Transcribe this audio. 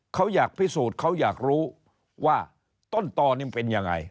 เขาอยากพิสูจน์เขาอยากรู้ว่าต้นตอนนี้มันเป็นยังไง